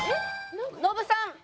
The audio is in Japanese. ノブさん。